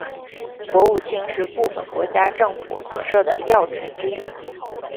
国务卿是部份国家政府所设的要职之一。